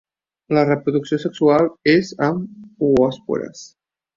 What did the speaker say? La reproducció sexual és amb oòspores.